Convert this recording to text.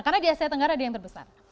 karena di asia tenggara dia yang terbesar